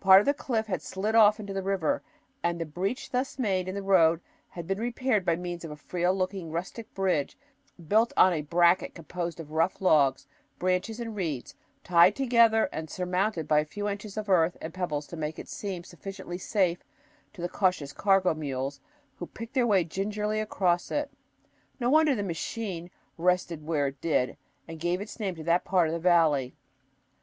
Part of the cliff had slid off into the river and the breach thus made in the road had been repaired by means of a frail looking rustic bridge built on a bracket composed of rough logs, branches, and reeds, tied together and surmounted by a few inches of earth and pebbles to make it seem sufficiently safe to the cautious cargo mules who picked their way gingerly across it. No wonder "the machine" rested where it did and gave its name to that part of the valley.